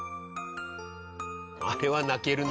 あれは泣けるな。